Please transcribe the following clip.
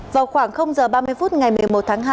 vào khoảng h ba mươi phút ngày một mươi một tháng hai